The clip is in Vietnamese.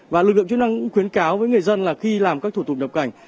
và lực lượng chức năng cũng khuyến cáo với người dân là khi làm các thủ tục nhập cảnh